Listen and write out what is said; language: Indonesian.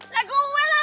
lah gue lah